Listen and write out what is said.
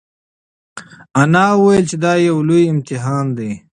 انا وویل چې دا یو لوی امتحان دی.